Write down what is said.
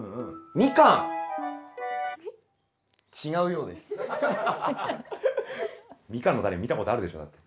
ミカンのタネ見たことあるでしょだって。